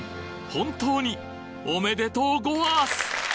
本当におめでとうごわす！